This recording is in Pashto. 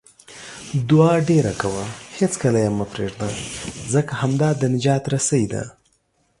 دعاء ډېره کوه، هیڅکله یې مه پرېږده، ځکه همدا د نجات رسۍ ده